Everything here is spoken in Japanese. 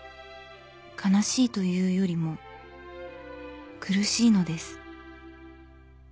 悲しいというよりも苦しいのです。